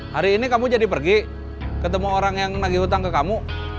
hari ini kamu jadi pergi ketemu orang yang lagi hutang ke kamu